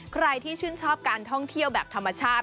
ใครที่ชื่นชอบการท่องเที่ยวแบบธรรมชาติ